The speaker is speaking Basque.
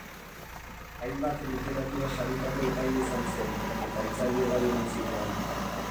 Hainbat literatura-saritako epaile izan zen, eta hitzaldi ugari eman zituen.